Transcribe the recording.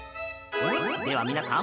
では、皆さん！